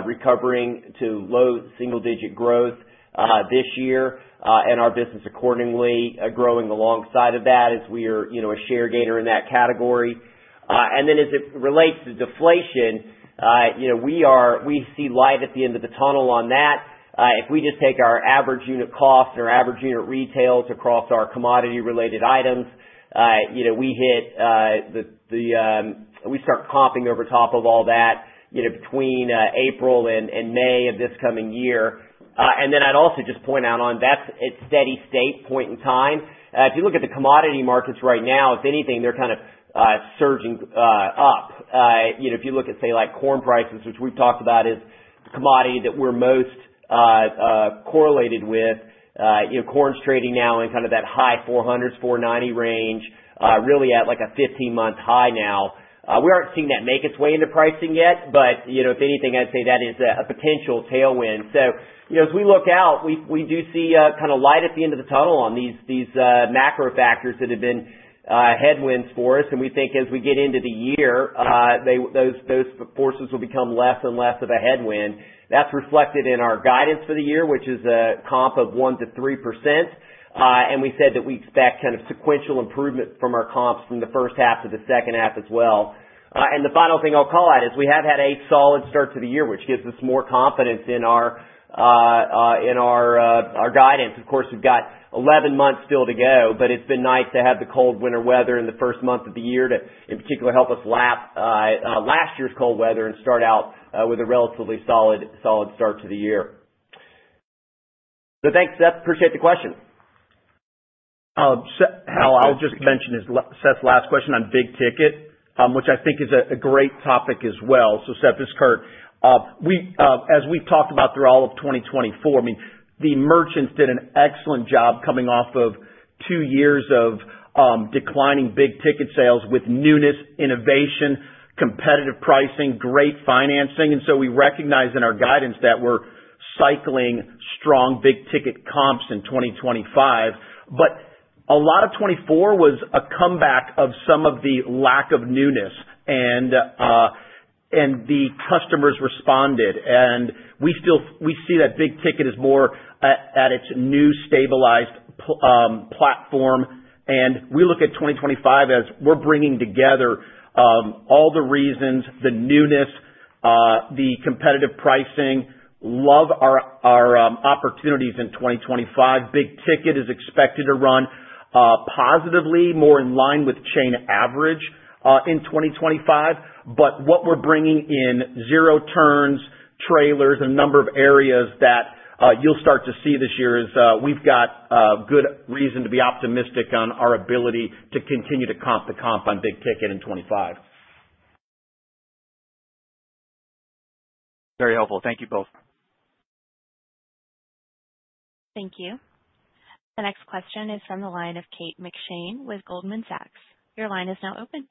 recovering to low single-digit growth this year, and our business accordingly growing alongside of that as we are a share gainer in that category. And then as it relates to deflation, we see light at the end of the tunnel on that. If we just take our average unit cost and our average unit retail across our commodity-related items, we hit the. We start comping over top of all that between April and May of this coming year. And then I'd also just point out, on that, that's at steady state point in time. If you look at the commodity markets right now, if anything, they're kind of surging up. If you look at, say, corn prices, which we've talked about as the commodity that we're most correlated with, corn's trading now in kind of that high 400s, 490 range, really at like a 15-month high now. We aren't seeing that make its way into pricing yet, but if anything, I'd say that is a potential tailwind. So as we look out, we do see kind of light at the end of the tunnel on these macro factors that have been headwinds for us. And we think as we get into the year, those forces will become less and less of a headwind. That's reflected in our guidance for the year, which is a comp of 1%-3%. We said that we expect kind of sequential improvement from our comps from the first half to the second half as well. The final thing I'll call out is we have had a solid start to the year, which gives us more confidence in our guidance. Of course, we've got 11 months still to go, but it's been nice to have the cold winter weather in the first month of the year to, in particular, help us lap last year's cold weather and start out with a relatively solid start to the year. So thanks, Seth. Appreciate the question. Seth, I'll just mention Seth's last question on big ticket, which I think is a great topic as well, so Seth, this is Kurt. As we've talked about throughout all of 2024, I mean, the merchants did an excellent job coming off of two years of declining big ticket sales with newness, innovation, competitive pricing, great financing, and so we recognized in our guidance that we're cycling strong big ticket comps in 2025, but a lot of 2024 was a comeback of some of the lack of newness, and the customers responded, and we see that big ticket is more at its new stabilized platform, and we look at 2025 as we're bringing together all the reasons, the newness, the competitive pricing, love our opportunities in 2025. Big ticket is expected to run positively, more in line with chain average in 2025. But what we're bringing in zero turns, trailers, and a number of areas that you'll start to see this year is, we've got good reason to be optimistic on our ability to continue to comp the comp on big ticket in 2025. Very helpful. Thank you both. Thank you. The next question is from the line of Kate McShane with Goldman Sachs. Your line is now open.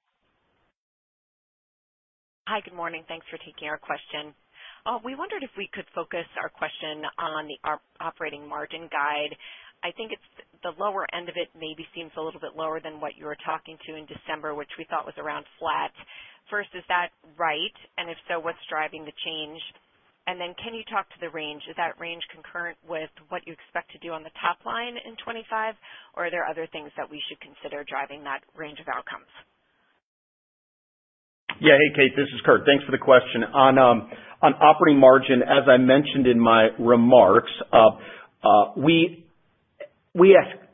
Hi, good morning. Thanks for taking our question. We wondered if we could focus our question on the operating margin guide. I think the lower end of it maybe seems a little bit lower than what you were talking to in December, which we thought was around flat. First, is that right? And if so, what's driving the change? And then can you talk to the range? Is that range concurrent with what you expect to do on the top line in 2025, or are there other things that we should consider driving that range of outcomes? Yeah. Hey, Kate, this is Kurt. Thanks for the question. On operating margin, as I mentioned in my remarks, we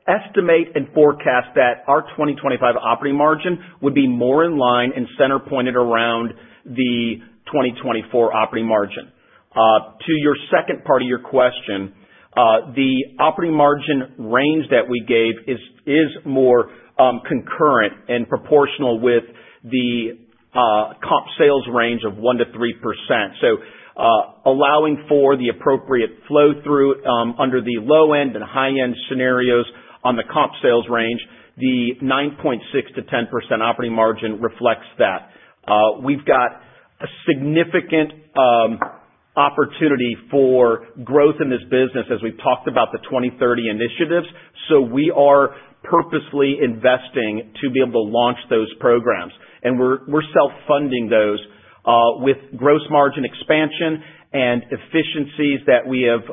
estimate and forecast that our 2025 operating margin would be more in line and center pointed around the 2024 operating margin. To your second part of your question, the operating margin range that we gave is more concurrent and proportional with the comp sales range of 1%-3%. So allowing for the appropriate flow-through under the low-end and high-end scenarios on the comp sales range, the 9.6%-10% operating margin reflects that. We've got a significant opportunity for growth in this business as we've talked about the 2030 initiatives. So we are purposely investing to be able to launch those programs. And we're self-funding those with gross margin expansion and efficiencies that we have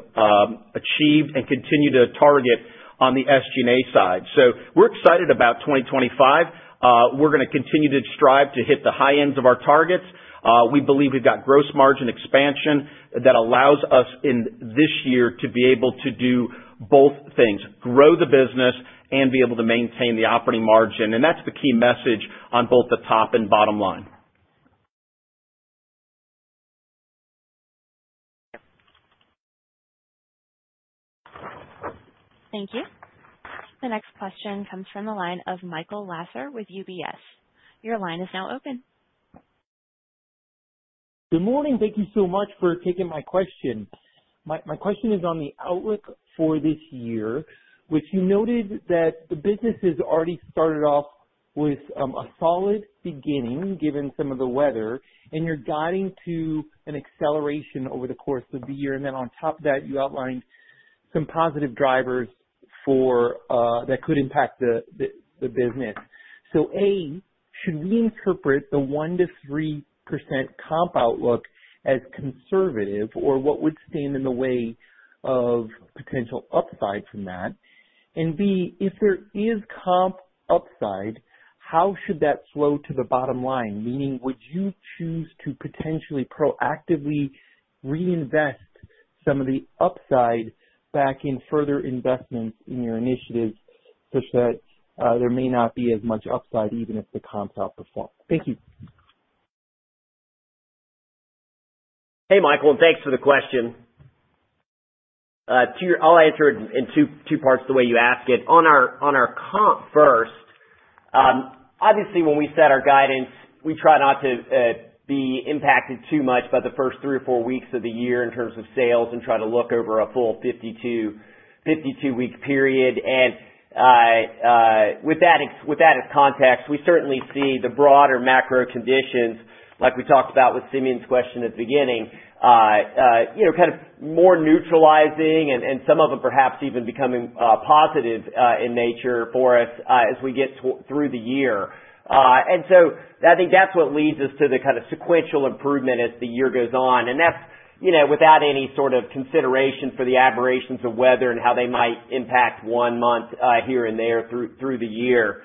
achieved and continue to target on the SG&A side. So we're excited about 2025. We're going to continue to strive to hit the high ends of our targets. We believe we've got gross margin expansion that allows us in this year to be able to do both things: grow the business and be able to maintain the operating margin. And that's the key message on both the top and bottom line. Thank you. The next question comes from the line of Michael Lasser with UBS. Your line is now open. Good morning. Thank you so much for taking my question. My question is on the outlook for this year, which you noted that the business has already started off with a solid beginning given some of the weather, and you're guiding to an acceleration over the course of the year. And then on top of that, you outlined some positive drivers that could impact the business. So A, should we interpret the 1%-3% comp outlook as conservative, or what would stand in the way of potential upside from that? And B, if there is comp upside, how should that flow to the bottom line? Meaning, would you choose to potentially proactively reinvest some of the upside back in further investments in your initiatives such that there may not be as much upside even if the comps outperform? Thank you. Hey, Michael, and thanks for the question. I'll answer it in two parts the way you ask it. On our comp first, obviously, when we set our guidance, we try not to be impacted too much by the first three or four weeks of the year in terms of sales and try to look over a full 52-week period. And with that as context, we certainly see the broader macro conditions, like we talked about with Simeon's question at the beginning, kind of more neutralizing and some of them perhaps even becoming positive in nature for us as we get through the year. And so I think that's what leads us to the kind of sequential improvement as the year goes on. And that's without any sort of consideration for the aberrations of weather and how they might impact one month here and there through the year.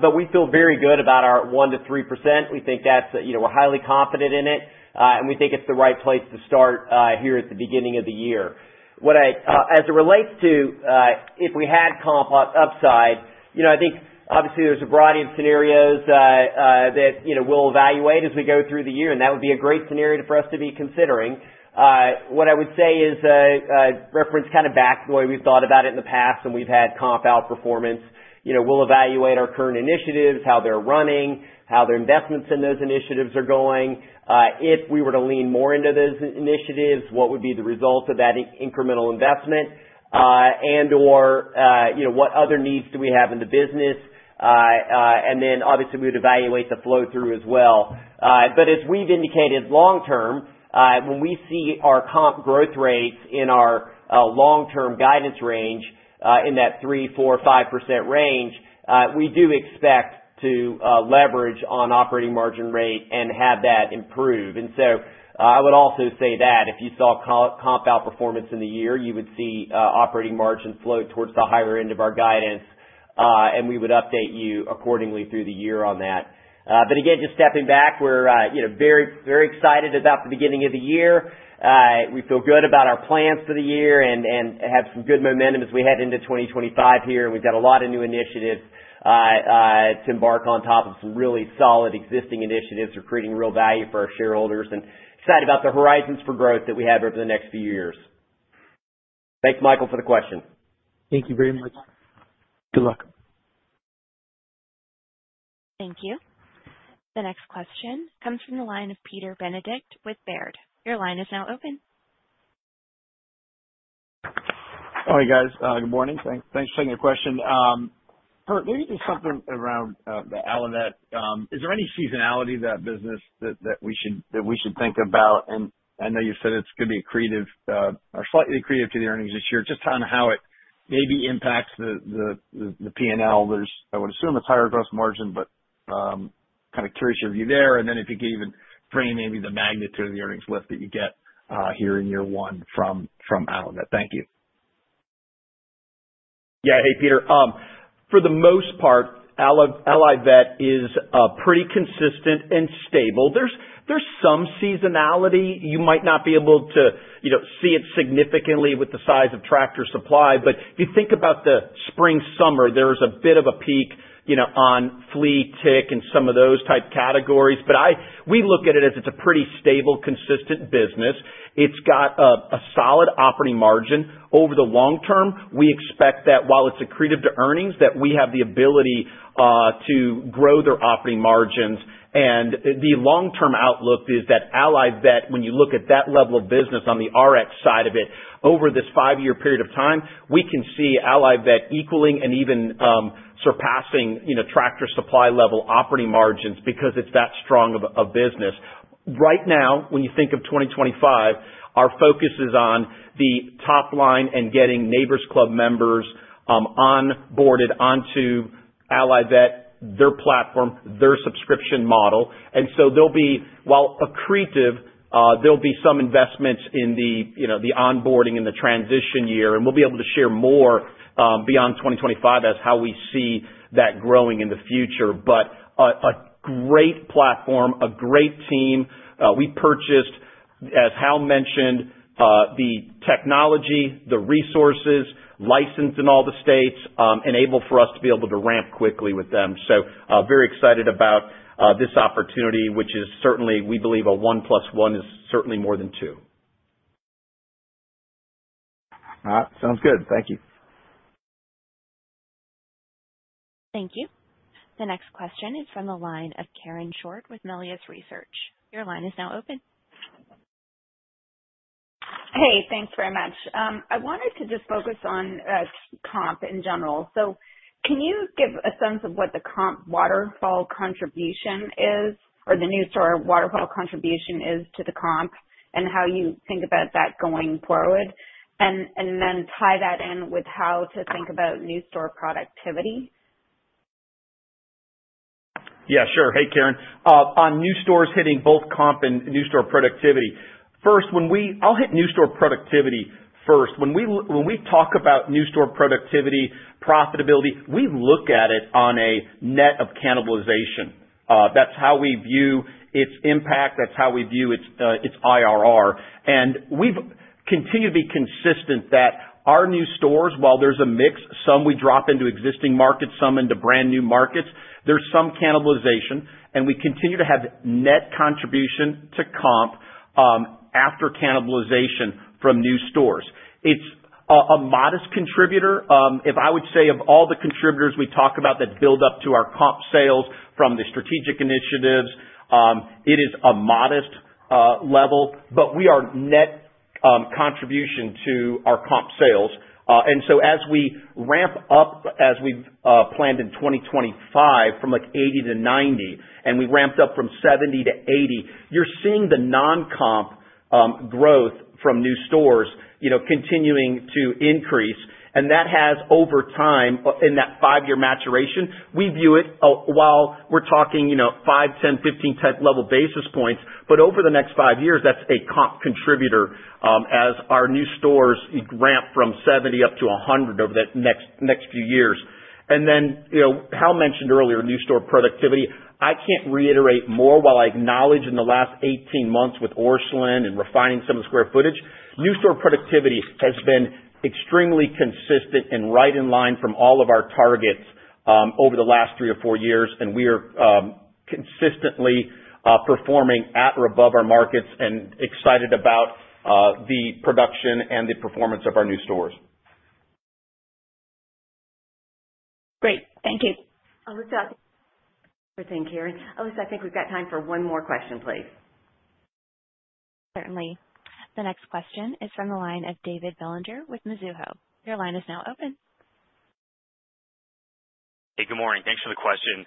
But we feel very good about our 1%-3%. We think that we're highly confident in it, and we think it's the right place to start here at the beginning of the year. As it relates to if we had comp upside, I think obviously there's a variety of scenarios that we'll evaluate as we go through the year, and that would be a great scenario for us to be considering. What I would say is reference kind of back to the way we've thought about it in the past when we've had comp outperformance. We'll evaluate our current initiatives, how they're running, how their investments in those initiatives are going. If we were to lean more into those initiatives, what would be the result of that incremental investment, and/or what other needs do we have in the business? And then obviously, we would evaluate the flow-through as well. But as we've indicated long-term, when we see our comp growth rates in our long-term guidance range in that 3%-5% range, we do expect to leverage on operating margin rate and have that improve. And so I would also say that if you saw comp outperformance in the year, you would see operating margin flow towards the higher end of our guidance, and we would update you accordingly through the year on that. But again, just stepping back, we're very excited about the beginning of the year. We feel good about our plans for the year and have some good momentum as we head into 2025 here. And we've got a lot of new initiatives to embark on top of some really solid existing initiatives or creating real value for our shareholders and excited about the horizons for growth that we have over the next few years. Thanks, Michael, for the question. Thank you very much. Good luck. Thank you. The next question comes from the line of Peter Benedict with Baird. Your line is now open. All right, guys. Good morning. Thanks for taking the question. Kurt, maybe just something around the Allivet that is there any seasonality to that business that we should think about? And I know you said it's going to be accretive or slightly accretive to the earnings this year, just on how it maybe impacts the P&L. I would assume it's higher gross margin, but kind of curious of you there. And then if you could even bring in maybe the magnitude of the earnings lift that you get here in year one from Allivet. Thank you. Yeah. Hey, Peter. For the most part, Allivet is pretty consistent and stable. There's some seasonality. You might not be able to see it significantly with the size of Tractor Supply, but if you think about the spring-summer, there's a bit of a peak on flea, tick, and some of those type categories. But we look at it as it's a pretty stable, consistent business. It's got a solid operating margin. Over the long term, we expect that while it's accretive to earnings, that we have the ability to grow their operating margins. And the long-term outlook is that Allivet, when you look at that level of business on the RX side of it, over this five-year period of time, we can see Allivet equaling and even surpassing Tractor Supply-level operating margins because it's that strong of a business. Right now, when you think of 2025, our focus is on the top line and getting Neighbor's Club members onboarded onto Allivet, their platform, their subscription model. And so they'll be while accretive, there'll be some investments in the onboarding and the transition year, and we'll be able to share more beyond 2025 as how we see that growing in the future. But a great platform, a great team. We purchased, as Hal mentioned, the technology, the resources, licensed in all the states, enabled for us to be able to ramp quickly with them. So very excited about this opportunity, which is certainly, we believe, a one plus one is certainly more than two. All right. Sounds good. Thank you. Thank you. The next question is from the line of Karen Short with Melius Research. Your line is now open. Hey, thanks very much. I wanted to just focus on comp in general. So can you give a sense of what the comp waterfall contribution is, or the new store waterfall contribution is to the comp, and how you think about that going forward, and then tie that in with how to think about new store productivity? Yeah, sure. Hey, Karen. On new stores hitting both comp and new store productivity. First, when we, I'll hit new store productivity first. When we talk about new store productivity, profitability, we look at it on a net of cannibalization. That's how we view its impact. That's how we view its IRR. And we've continued to be consistent that our new stores, while there's a mix, some we drop into existing markets, some into brand new markets, there's some cannibalization, and we continue to have net contribution to comp after cannibalization from new stores. It's a modest contributor. If I would say of all the contributors we talk about that build up to our comp sales from the strategic initiatives, it is a modest level, but we are net contribution to our comp sales. So as we ramp up, as we've planned in 2025 from like 80 to 90, and we ramped up from 70 to 80, you're seeing the non-comp growth from new stores continuing to increase. And that has over time in that five-year maturation. We view it while we're talking five, 10, 15 type level basis points, but over the next five years, that's a comp contributor as our new stores ramp from 70 up to 100 over the next few years. And then Hal mentioned earlier new store productivity. I can't reiterate more while I acknowledge in the last 18 months with Orscheln and refining some of the square footage, new store productivity has been extremely consistent and right in line from all of our targets over the last three or four years, and we are consistently performing at or above our markets and excited about the production and the performance of our new stores. Great. Thank you. Alyssa. Thank you, Karen. Alyssa, I think we've got time for one more question, please. Certainly. The next question is from the line of David Bellinger with Mizuho. Your line is now open. Hey, good morning. Thanks for the question.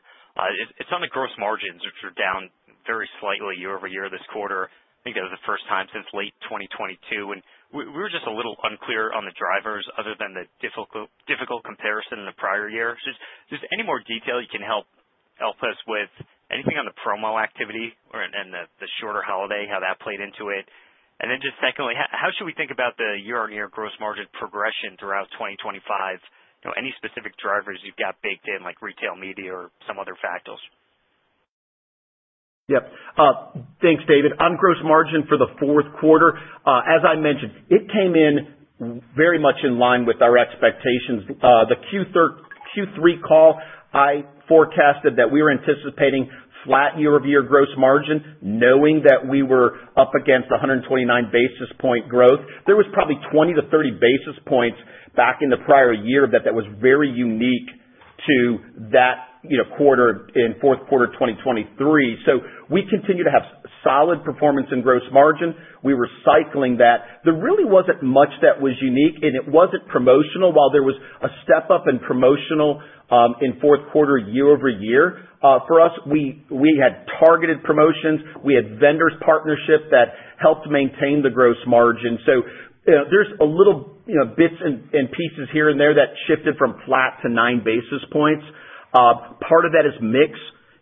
It's on the gross margins, which are down very slightly year-over-year this quarter. I think that was the first time since late 2022. And we were just a little unclear on the drivers other than the difficult comparison in the prior year. Just any more detail you can help us with? Anything on the promo activity and the shorter holiday, how that played into it? And then just secondly, how should we think year-over-year gross margin progression throughout 2025? Any specific drivers you've got baked in like retail media or some other factors? Yep. Thanks, David. On gross margin for the fourth quarter, as I mentioned, it came in very much in line with our expectations. On the Q3 call, I forecasted that we were anticipating flat year-over-year gross margin, knowing that we were up against 129 basis points growth. There was probably 20 to 30 basis points back in the prior year that was very unique to that quarter in fourth quarter 2023, so we continue to have solid performance and gross margin. We were cycling that. There really wasn't much that was unique, and it wasn't promotional while there was a step up in promotional in fourth quarter year-over-year. For us, we had targeted promotions. We had vendors' partnership that helped maintain the gross margin, so there's a little bits and pieces here and there that shifted from flat to nine basis points. Part of that is mix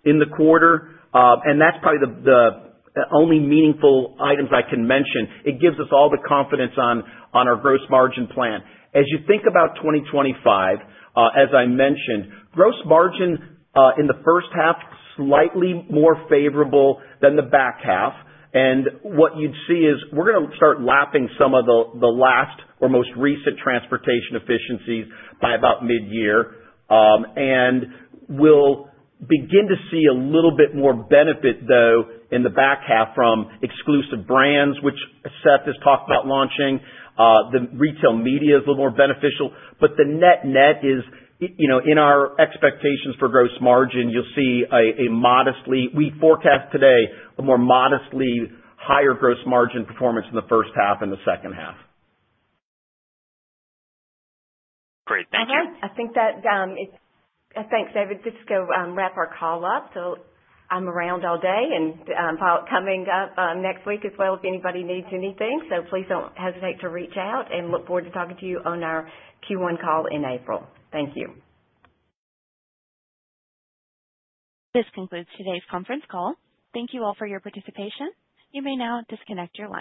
in the quarter, and that's probably the only meaningful items I can mention. It gives us all the confidence on our gross margin plan. As you think about 2025, as I mentioned, gross margin in the first half slightly more favorable than the back half, and what you'd see is we're going to start lapping some of the last or most recent transportation efficiencies by about mid-year, and we'll begin to see a little bit more benefit, though, in the back half from Exclusive Brands, which Seth has talked about launching. The retail media is a little more beneficial, but the net-net is in our expectations for gross margin, you'll see a modestly, we forecast today a more modestly higher gross margin performance in the first half and the second half. Great. Thank you. I think that, thanks, David. Just to go wrap our call up. So I'm around all day and coming up next week as well if anybody needs anything. So please don't hesitate to reach out, and look forward to talking to you on our Q1 call in April. Thank you. This concludes today's conference call. Thank you all for your participation. You may now disconnect your line.